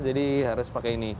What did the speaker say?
jadi harus pakai ini